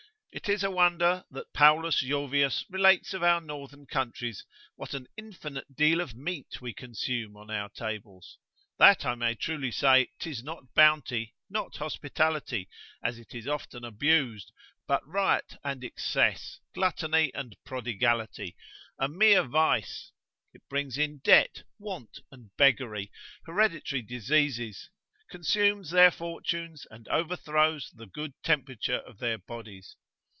It is a wonder that Paulus Jovius relates of our northern countries, what an infinite deal of meat we consume on our tables; that I may truly say, 'tis not bounty, not hospitality, as it is often abused, but riot and excess, gluttony and prodigality; a mere vice; it brings in debt, want, and beggary, hereditary diseases, consumes their fortunes, and overthrows the good temperature of their bodies.